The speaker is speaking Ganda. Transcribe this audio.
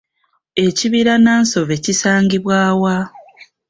Ekibira Nansove kisangibwa wa?